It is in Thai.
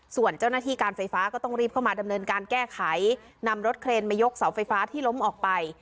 ส่วนเจ้าหน้าที่การไฟฟ้าก็ต้องรีบเข้ามาดำเนินการแก้ไขนำรถเครนมายกเสาไฟฟ้าที่ล้มออกไป